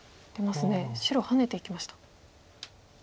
白ハネていきました。